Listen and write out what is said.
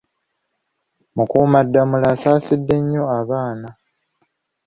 Mukuumaddamula asaasidde nnyo abaana.